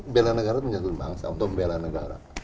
bela negara itu menyatukan bangsa untuk membela negara